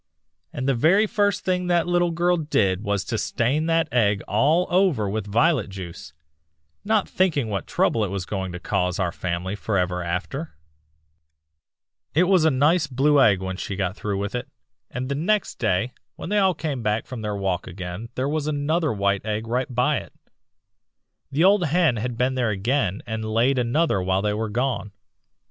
And the very first thing that little girl did was to stain that egg all over with violet juice, not thinking what trouble it was going to cause our family forever after." [Illustration: IT WAS A NICE BLUE EGG WHEN SHE GOT THROUGH.] "'It was a nice blue egg when she got through with it, and the next day, when they all came back from their walk again there was another white egg right by it. The old hen had been there again and laid another while they were gone.